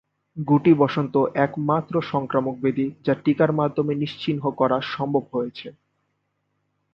গুটিবসন্ত একমাত্র সংক্রামক ব্যাধি যা টিকার মাধ্যমে নিশ্চিহ্ন করা সম্ভব হয়েছে।